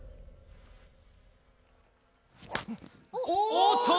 おっと！